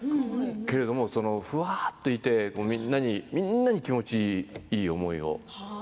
けれども、ふわっといてみんなに気持ちいい思いを。